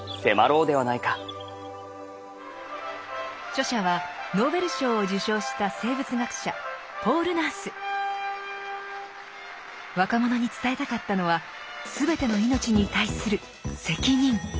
著者はノーベル賞を受賞した生物学者若者に伝えたかったのはすべての命に対する「責任」。